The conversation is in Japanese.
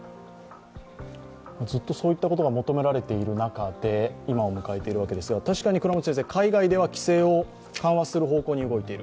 ずっとそういったことが求められている中で今を迎えているわけですが、確かに海外では規制を緩める方向に動いている。